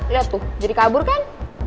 lihat tuh jadi kabur kan